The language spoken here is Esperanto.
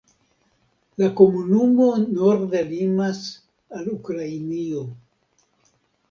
La komunumo norde limas al Ukrainio.